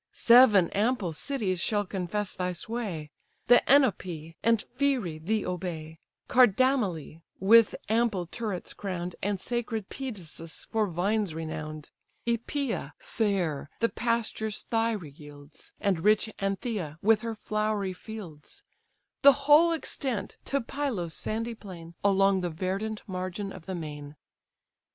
Seven ample cities shall confess thy sway, The Enope and Pheræ thee obey, Cardamyle with ample turrets crown'd, And sacred Pedasus, for vines renown'd: Æpea fair, the pastures Hira yields, And rich Antheia with her flowery fields; The whole extent to Pylos' sandy plain, Along the verdant margin of the main.